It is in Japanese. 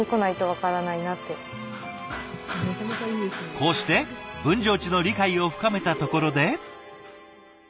こうして分譲地の理解を深めたところで。